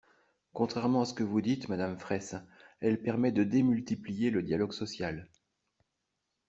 Contrairement ce que vous dites, madame Fraysse, elle permet de démultiplier le dialogue social.